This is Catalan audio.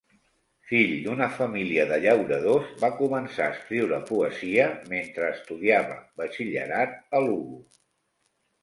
Fill d'una família de llauradors, va començar a escriure poesia mentre estudiava batxillerat a Lugo.